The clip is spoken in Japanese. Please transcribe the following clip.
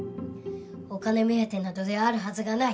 お金目当てなどであるはずがない。